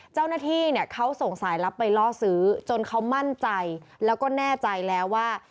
เจ้าหน้าที่เนี่ยเขาส่งสายลับไปล่อซื้อจนเขามั่นใจแล้วก็แน่ใจแล้วว่า